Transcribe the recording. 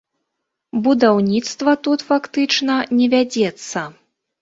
Будаўніцтва тут фактычна не вядзецца.